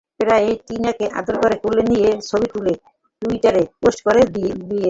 প্রায়ই টিনাকে আদর করে কোলে নিয়ে ছবি তুলে টুইটারে পোস্ট করেন বিয়েল।